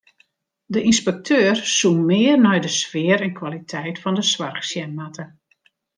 De ynspekteur soe mear nei de sfear en kwaliteit fan de soarch sjen moatte.